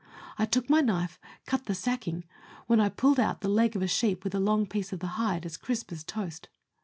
I took my knife, cut the sacking, when I pulled out the leg of a sheep with a long piece of the hide as crisp as a toast.